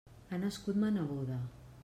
Ha nascut ma neboda.